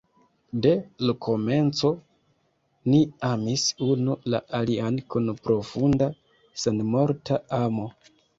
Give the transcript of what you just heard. De l’komenco ni amis unu la alian kun profunda, senmorta amo.